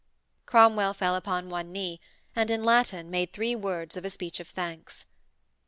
Cromwell fell upon one knee, and, in Latin, made three words of a speech of thanks.